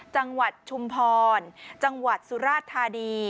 จังหวัดชุมพรจังหวัดสุราธานี